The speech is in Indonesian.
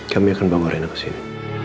kami akan bawa reina ke sini